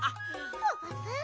プププ！